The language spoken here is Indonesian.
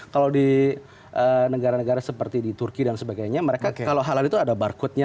kalau di negara negara seperti di turki dan sebagainya mereka kalau halal itu ada barcode nya